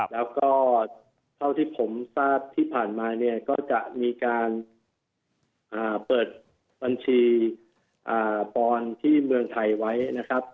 แล้วก็เท่าที่ผมทราบที่ผ่านมาเนี่ยก็จะมีการเปิดบัญชีปอนด์ที่เมืองไทยไว้นะครับ